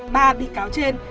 ba bị cáo trên